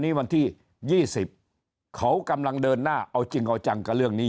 วันที่๒๐เขากำลังเดินหน้าเอาจริงเอาจังกับเรื่องนี้